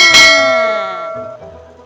bisa tinggal di sini